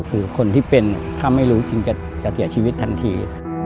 คือคนที่เป็นถ้าไม่รู้จริงจะเสียชีวิตทันที